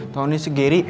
tau ini si geri